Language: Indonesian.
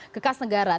ke kas negara